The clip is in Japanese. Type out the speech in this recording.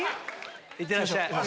いってらっしゃい。